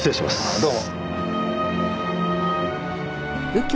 どうも。